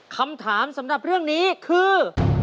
คำถามสำหรับเรื่องนี้คือ